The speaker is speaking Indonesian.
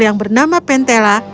yang bernama pentela